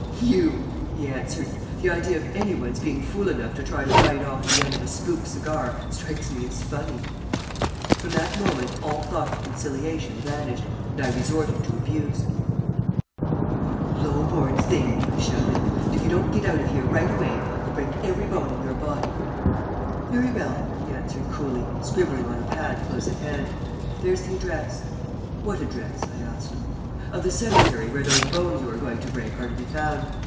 "You," he answered. "The idea of any one's being fool enough to try to bite off the end of a spook cigar strikes me as funny." From that moment all thought of conciliation vanished, and I resorted to abuse. "You are a low born thing!" I shouted. "And if you don't get out of here right away I'll break every bone in your body." "Very well," he answered, coolly, scribbling on a pad close at hand. "There's the address." "What address?" I asked. "Of the cemetery where those bones you are going to break are to be found.